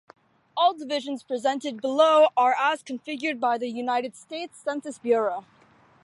All divisions presented below are as configured by the United States Census Bureau.